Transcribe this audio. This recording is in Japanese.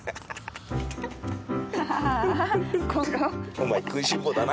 お前食いしん坊だな。